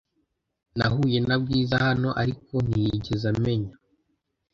Nahuye na Bwiza hano ariko ntiyigeze amenya